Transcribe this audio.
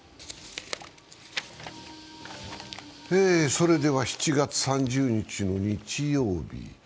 それでは７月３０日の日曜日